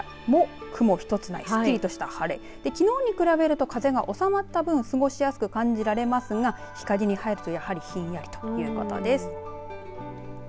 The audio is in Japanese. きょうの名古屋もすっきりとした晴れきのうに比べると風が収まったぶん過ごしやすく感じられそうですが光が入るとやはりひんやりということです。